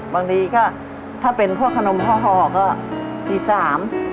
บางทีก็ถ้าเป็นพวกขนมห่อก็ตีสาม